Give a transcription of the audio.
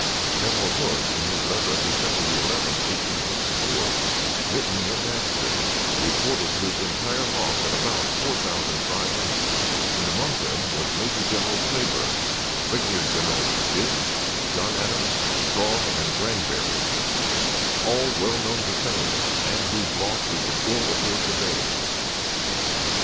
General Hood, in his letter of December 11, 1864, written near Nashville, reported his entire loss at about four thousand five hundred, and among them was Major General Cleburne, Brigadier Generals Gist, John Adams, Strahl, and Granberry, all well known to fame, and whose loss we could ill afford to bear.